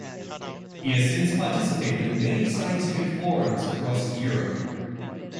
He has since participated in many scientific forums across Europe.